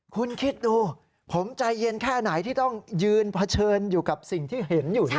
คุณคิดดูผมใจเย็นแค่ไหนที่ต้องยืนเผชิญอยู่กับสิ่งที่เห็นอยู่